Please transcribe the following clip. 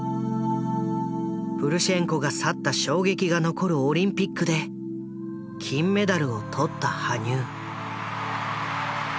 プルシェンコが去った衝撃が残るオリンピックで金メダルを取った羽生。